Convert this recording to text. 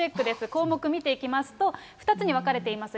項目見ていきますと、２つに分かれています。